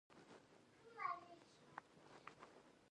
پښتو ژبه د اقتصادي نظام برخه نه ده ګرځېدلې.